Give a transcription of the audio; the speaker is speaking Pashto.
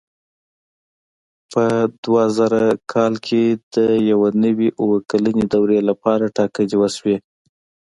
په دوه زره کال کې د یوې نوې اووه کلنې دورې لپاره ټاکنې وشوې.